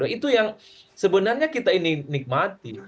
itu yang sebenarnya kita ini nikmati